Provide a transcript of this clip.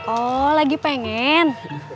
oh lagi pengen